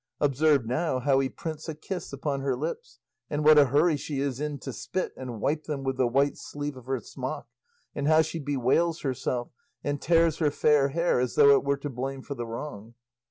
Observe now how he prints a kiss upon her lips, and what a hurry she is in to spit, and wipe them with the white sleeve of her smock, and how she bewails herself, and tears her fair hair as though it were to blame for the wrong.